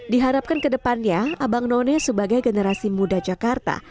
diharapkan ke depannya abangnone sebagai generasi muda jakarta